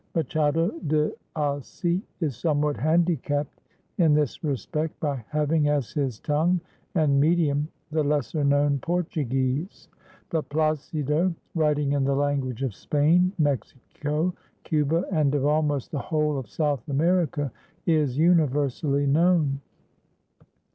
Machado de Assis is somewhat handicapped in this respect by having as his tongue and medium the lesser known Portuguese, but Plácido, writing in the language of Spain, Mexico, Cuba and of almost the whole of South America, is universally known.